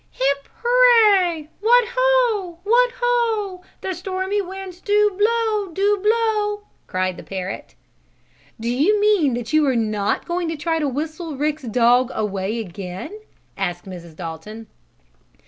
"Hip hurray! What ho! What ho! The stormy winds do blow! Do blow!" cried the parrot. "You mean that you are not going to try to whistle Rick's dog away again?" asked Mrs. Dalton.